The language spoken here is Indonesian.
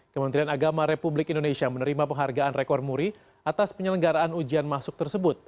kementerian agama republik indonesia menerima penghargaan rekor muri atas penyelenggaraan ujian masuk tersebut